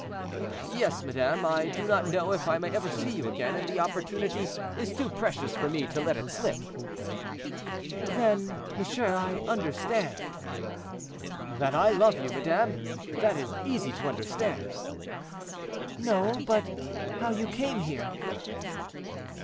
"Yes, madame; I do not know if I may ever see you again, and the opportunity is too precious for me to let it slip." "Then, monsieur, I understand." "That I love you, madame; that is easy to understand." "No, but how you came here."